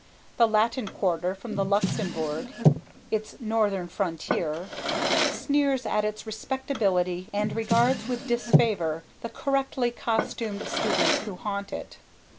The Latin Quarter, from the Luxembourg, its northern frontier, sneers at its respectability and regards with disfavour the correctly costumed students who haunt it.